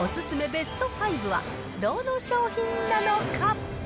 ベスト５は、どの商品なのか。